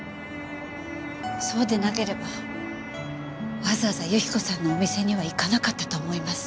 そうでなければわざわざ由紀子さんのお店には行かなかったと思います。